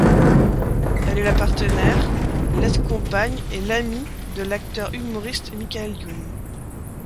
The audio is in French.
Elle est la partenaire, l'ex-compagne et l'amie de l'acteur humoriste Michaël Youn.